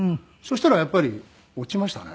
したらやっぱり落ちましたね。